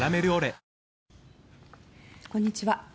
こんにちは。